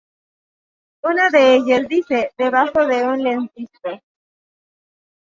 Uno de ellos dice: "Debajo de un lentisco.